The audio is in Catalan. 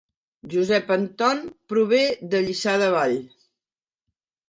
Josep Anton prové de Lliçà de Vall